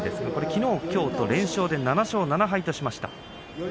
きのう、きょうと連勝で７勝７敗としました。